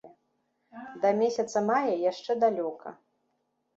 Да месяца мая яшчэ далёка.